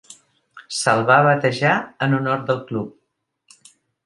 Se'l va batejar en honor del club.